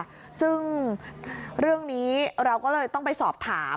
ซึ่งเรื่องนี้เราก็เลยต้องไปสอบถาม